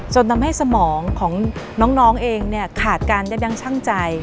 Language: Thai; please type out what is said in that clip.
จนทำให้สมองของน้องเองขาดการยับยังช่างใจ